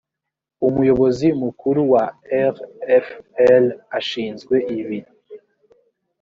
umuyobozi mukuru wa rfl ashinzwe ibi